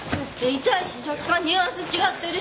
痛いし若干ニュアンス違ってるし。